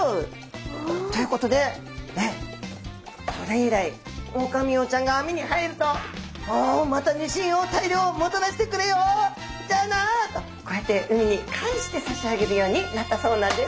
ということでそれ以来オオカミウオちゃんが網に入ると「おおまたニシンを大漁もたらしてくれよじゃあな」とこうやって海に返してさしあげるようになったそうなんです。